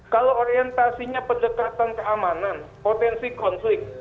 kalau orientasinya pendekatan keamanan potensi konflik